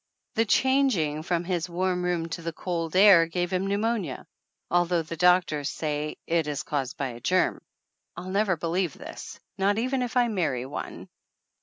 The changing from his warm room to the cold air gave him pneumonia, although the doctors say it is caused by a germ. I'll never believe this, not even if I marry one!